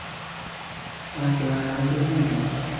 話時話，你叫咩名？